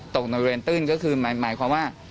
ตกบริเวณตื้นก็คือหมายความว่า